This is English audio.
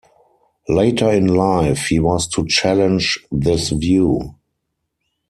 Later in life, he was to challenge this view.